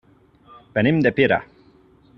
Venim de Pira.